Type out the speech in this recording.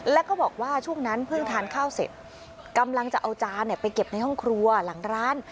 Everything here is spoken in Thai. แล้วก็บอกว่าช่วงนั้นเพิ่งทานข้าวเสร็จกำลังจะเอาจานไปเก็บในห้องครัวหลังร้าน